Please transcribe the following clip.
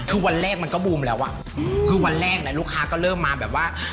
คือวันแรกมันก็บูมแล้วอ่ะคือวันแรกนะลูกค้าก็เริ่มมาแบบว่า